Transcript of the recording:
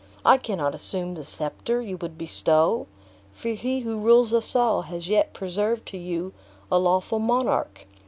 I cannot assume the scepter you would bestow; for He who rules us all has yet preserved to you a lawful monarch.